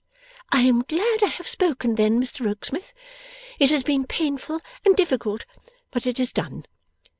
'I am glad I have spoken, then, Mr Rokesmith. It has been painful and difficult, but it is done.